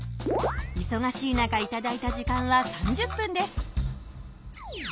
いそがしい中いただいた時間は３０分です。